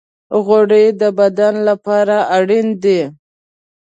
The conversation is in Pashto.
غوړې د بدن لپاره اړین دي.